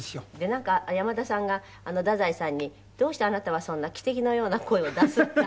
なんか山田さんが太宰さんに「どうしてあなたはそんな汽笛のような声を出すんだ？」。